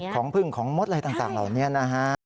ของพึ่งของมดอะไรต่างเหล่านี้นะฮะ